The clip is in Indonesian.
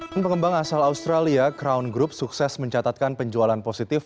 tim pengembang asal australia crown group sukses mencatatkan penjualan positif